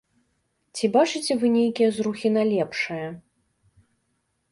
Ці бачыце вы нейкія зрухі на лепшае?